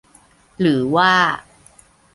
หรือว่า